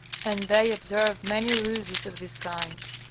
And they observe many ruses of this kind.